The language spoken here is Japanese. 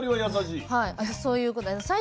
はいそういうことで。